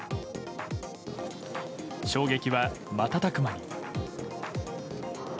衝撃は瞬く間に。